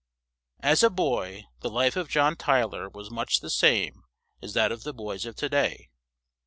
As a boy, the life of John Ty ler was much the same as that of the boys of to day.